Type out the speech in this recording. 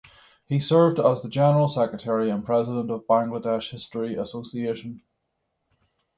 He served as the General Secretary and President of Bangladesh History Association.